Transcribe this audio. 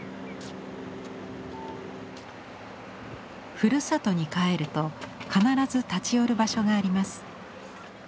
ふるさとに帰ると必ず立ち寄る場所があります。